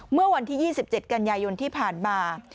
เมื่อวันที่๒๗กันยายนที่ผ่านมา